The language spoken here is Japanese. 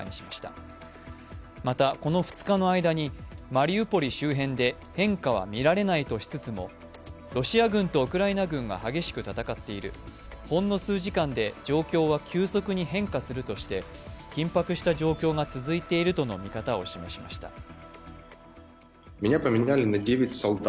また、この２日の間にマリウポリ周辺で変化は見られないとしつつもロシア軍とウクライナ軍が激しく戦っている、ほんの数時間で状況は急速に変化するとして緊迫した状況が続いているとの見方を示しました。